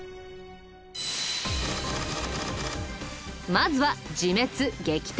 まずは自滅撃退。